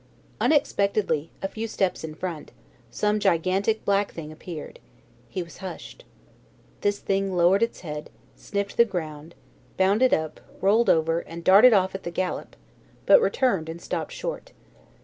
Unexpectedly, a few steps in front, some gigantic black thing appeared. He was hushed. This thing lowered its head, sniffed the ground, bounded up, rolled over, and darted off at the gallop, but returned and stopped short.